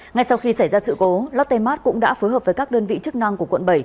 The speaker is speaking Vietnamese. ngay sau khi xảy ra sự cố lotte mart cũng đã phối hợp với các đơn vị chức năng của quận bảy